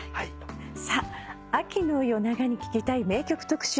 さあ秋の夜長に聴きたい名曲特集。